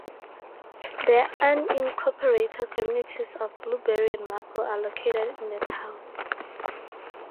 The unincorporated communities of Blueberry and Maple are located in the town.